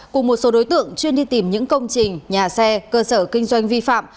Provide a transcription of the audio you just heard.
cùng một số đối tượng chuyên đi tìm những công trình nhà xe cơ sở kinh doanh vi phạm